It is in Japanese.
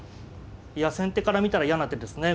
いや先手から見たら嫌な手ですね